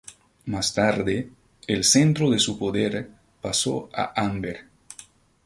Más tarde, el centro de su poder pasó a Amber.